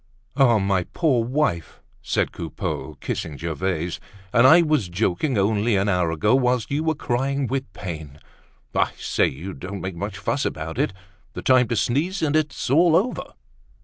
"Ah, my poor wife!" said Coupeau, kissing Gervaise. "And I was joking only an hour ago, whilst you were crying with pain! I say, you don't make much fuss about it—the time to sneeze and it's all over."